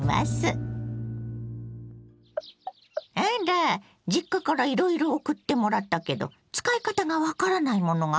あら実家からいろいろ送ってもらったけど使い方が分からないものがあるって？